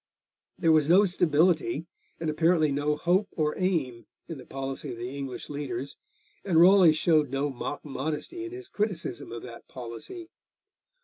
There was no stability and apparently no hope or aim in the policy of the English leaders, and Raleigh showed no mock modesty in his criticism of that policy.